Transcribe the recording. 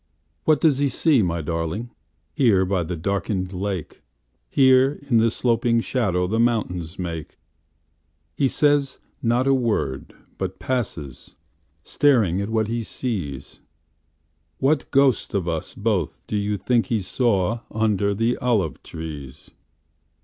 What does he see, my darlingHere by the darkened lake? Here, in the sloping shadowThe mountains make? He says not a word, but passes, Staring at what he sees. What ghost of us both do you think he sawUnder the olive trees?